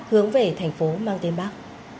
hướng về thành phố mang tên bắc